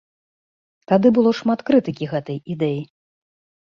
Тады было шмат крытыкі гэтай ідэі.